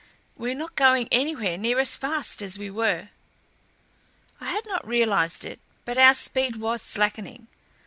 We're not going anywhere near as fast as we were." I had not realized it, but our speed was slackening.